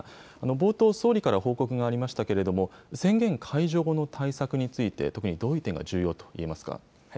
冒頭、総理から報告がありましたけれども、宣言解除後の対策について、特にどういう点が重要といえますか。